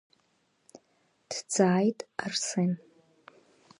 Дҵааит Арсен.